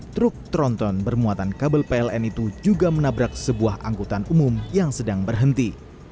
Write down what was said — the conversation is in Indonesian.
truk tronton bermuatan kabel pln itu juga menabrak sebuah angkutan umum yang sedang berhenti